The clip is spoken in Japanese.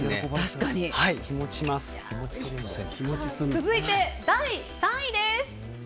続いて第３位です。